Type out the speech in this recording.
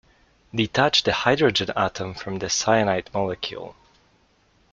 Detach the hydrogen atom from the cyanide molecule.